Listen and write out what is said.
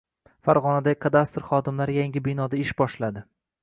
Farg‘onada kadastr xodimlari yangi binoda ish boshladi